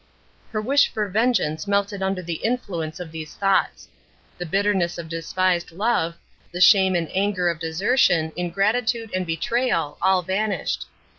Her wish for vengeance melted under the influence of these thoughts. The bitterness of despised love, the shame and anger of desertion, ingratitude, and betrayal, all vanished.